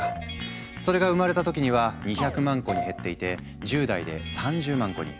それが生まれた時には２００万個に減っていて１０代で３０万個に。